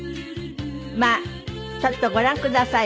まあちょっとご覧ください。